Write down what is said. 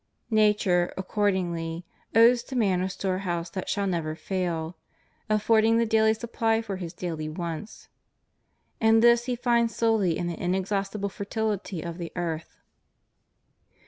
Nature accordingly owes to man a storehouse that shall never fail, affording the daily supply for his daily wants. And this he finds solely in the inexhaustible fertihty of the earth.